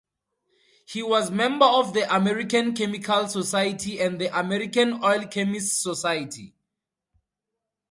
He was member of the American Chemical Society and the American Oil Chemists' Society.